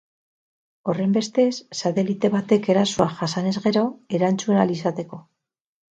Horrenbestez, satelite batek erasoa jasanez gero, erantzun ahal izateko.